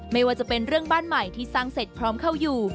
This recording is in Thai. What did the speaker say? ไม่ว่าจะเป็นเรื่องบ้านใหม่ที่สร้างเสร็จพร้อมเข้าอยู่